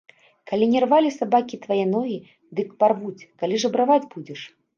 Калі не рвалі сабакі твае ногі, дык парвуць, калі жабраваць будзеш.